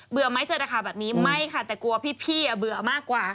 เบื่อไหมเจอดาขาแบบนี้ไม่ค่ะแต่กลัวพี่เบื่อมากกว่า